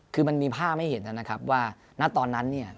คือมันมีภาพให้เห็นน่ะนะครับว่าณตอนนั้น